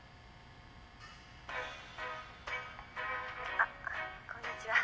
「あっこんにちは。